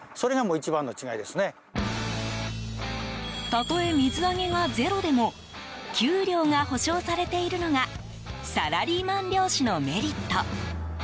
たとえ、水揚げがゼロでも給料が保証されているのがサラリーマン漁師のメリット。